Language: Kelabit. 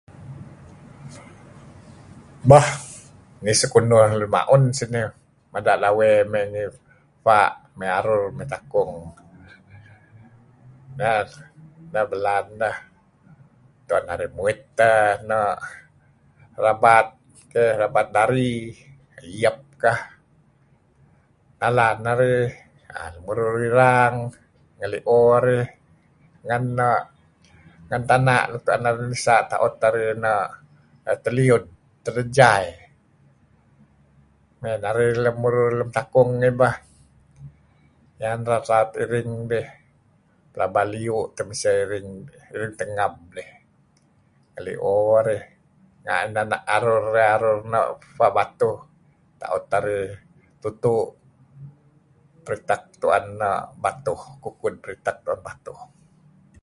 Bah nih sekunuh lun ma'un sinih mada' lawey mey ngi fa', maya arur mey takung, neh belaan deh, tu'en narih muit teh no' rabat kh, rabat dari , eeyep kah, nalan narih remuru irang ngeli'o arih ngen no' tana' luk tu'en narih nisa' ta'ut arih no' teliud/telejai. Mey' narih remurur lem takung eh bah iyan raut-raut iring dih pelaba liyu temiseh iring tengeb dih. Ngeli'o arih renga' inan arur, arur no' pba' batuh ta'ut narih tutu' ritep tu'en no' batuh kukud, ritep tu'en batuh.